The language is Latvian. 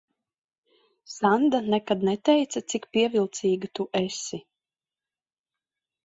Sanda nekad neteica, cik pievilcīga tu esi.